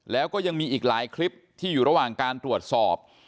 แล้วก็ยังมีอีกหลายคลิปที่อยู่ระหว่างการตรวจสอบ